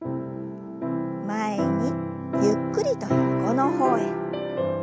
前にゆっくりと横の方へ。